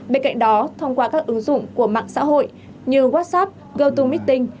bên cạnh đó thông qua các ứng dụng của mạng xã hội như whatsapp gotomeeting